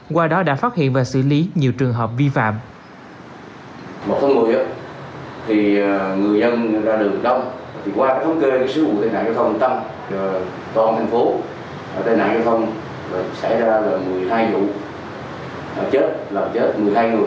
qua đó đã phát hiện và xử lý nhiều trường hợp vi phạm